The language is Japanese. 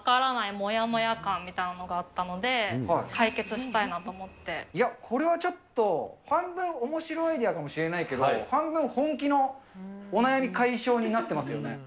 もやもや感みたいなのがあったので、解決したいや、これはちょっと、半分おもしろアイデアかもしれないけど、半分、本気のお悩み解消になってますよね。